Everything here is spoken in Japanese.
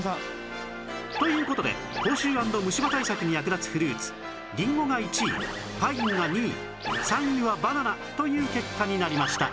という事で口臭＆虫歯対策に役立つフルーツりんごが１位パインが２位３位はバナナという結果になりました